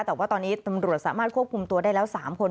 แต่ว่าตอนนี้ตำรวจสามารถควบคุมตัวได้แล้ว๓คน